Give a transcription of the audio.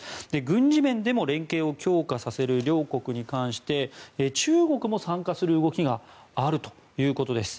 軍事面でも連携を強化させる両国に関して中国も参加する動きがあるということです。